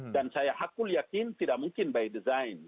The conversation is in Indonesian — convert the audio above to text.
dan saya hakul yakin tidak mungkin by design